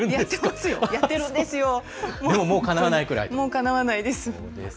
かなわないです。